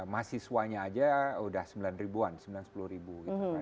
mahasiswanya aja sudah sembilan an sembilan sepuluh gitu right